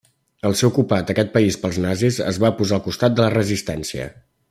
Al ser ocupat aquest país pels nazis, es va posar al costat de la Resistència.